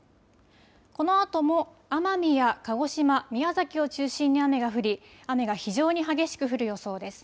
このあとも奄美や鹿児島、宮崎を中心に雨が降り雨が非常に激しく降る予想です。